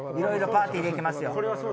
パーティーできますよ。